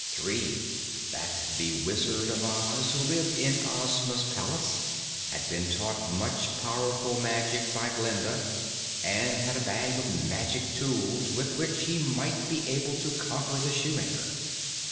(3) That the Wizard of Oz, who lived in Ozma's palace, had been taught much powerful magic by Glinda and had a bag of magic tools with which he might be able to conquer the Shoemaker.